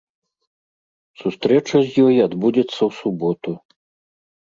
Сустрэча з ёй адбудзецца ў суботу.